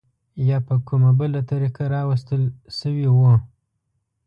یا په کومه بله طریقه راوستل شوي وو.